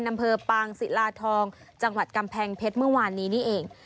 อำเภอปางศิลาทองจังหวัดกำแพงเพชรเมื่อวานนี้นี่เอง